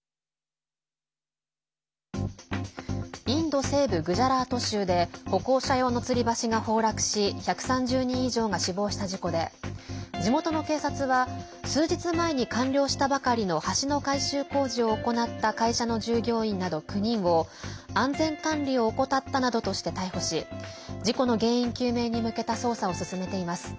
インド西部グジャラート州で歩行者用のつり橋が崩落し１３０人以上が死亡した事故で地元の警察は数日前に完了したばかりの橋の改修工事を行った会社の従業員など９人を安全管理を怠ったなどとして逮捕し事故の原因究明に向けた捜査を進めています。